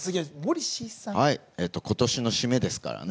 今年の締めですから。